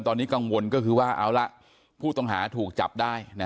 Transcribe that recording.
ตอนนี้กังวลก็คือว่าเอาละผู้ต้องหาถูกจับได้